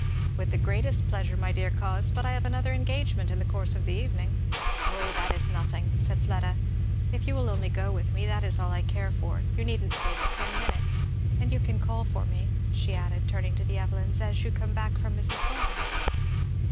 "With the greatest pleasure, my dear coz, but I have another engagement in the course of the evening." "Oh that is nothing," said Fleda; "if you will only go with me, that is all I care for. You needn't stay but ten minutes. And you can call for me," she added, turning to the Evelyns, "as you come back from Mrs. Thorn's."